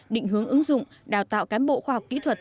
định hướng ứng dụng đào tạo cán bộ khoa học kỹ thuật